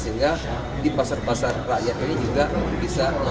sehingga di pasar pasar rakyat ini juga bisa